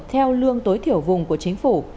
theo lương tối thiểu vùng của chính phủ